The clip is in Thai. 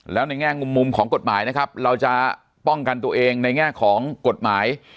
แล้วในแง่มุมของกฎหมายนะครับเราจะป้องกันตัวเองในแง่ของกฎหมาย